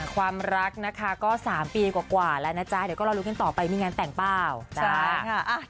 ความรักนะคะก็๓ปีกว่าแล้วนะจ๊ะเดี๋ยวก็รอลุ้นกันต่อไปมีงานแต่งเปล่าจ๊ะ